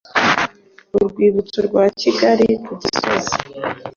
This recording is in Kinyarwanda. urwibutso rwa Kigali ku Gisozi